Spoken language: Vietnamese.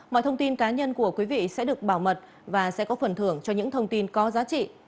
mọi thông tin cá nhân của quý vị sẽ được bảo mật và sẽ có phần thưởng cho những thông tin có giá trị